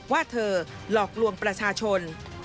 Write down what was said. ว่าเธอหลอกลวงประชาชน